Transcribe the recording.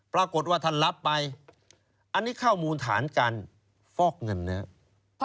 ปรากฏว่าท่านรับไปอันนี้ข้อมูลฐานการฟอกเงินนะครับ